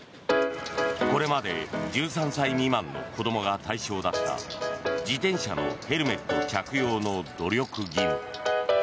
これまで１３歳未満の子どもが対象だった自転車のヘルメット着用の努力義務。